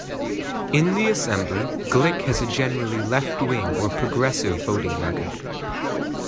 In the Assembly, Glick has a generally left wing or progressive voting record.